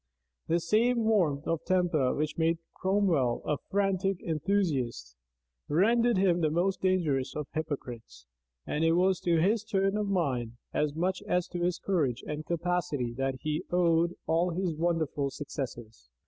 The same warmth of temper which made Cromwell a frantic enthusiast, rendered him the most dangerous of hypocrites; and it was to this turn of mind, as much as to his courage and capacity, that he owed all his wonderful successes.